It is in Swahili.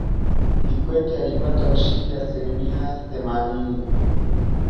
kikwete alipata ushindi wa asilimia themanini